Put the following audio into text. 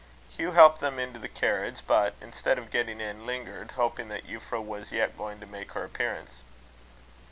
Hugh helped them into the carriage; but, instead of getting in, lingered, hoping that Euphra was yet going to make her appearance.